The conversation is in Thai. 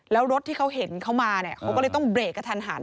แล้วรถที่เขาเห็นเขามาก็เลยต้องเบรกกับทันหัน